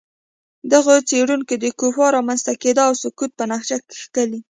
دغو څېړونکو د کوپان رامنځته کېدا او سقوط په نقشه کښلي